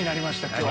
今日。